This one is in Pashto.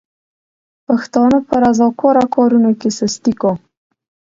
پښتانه په رضاکاره کارونو کې سستي کوي.